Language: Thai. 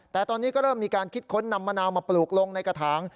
แต่ตอนนี้ก็เริ่มมีการคิดค้นนำมะนาวมาปลูกลงในกระถาง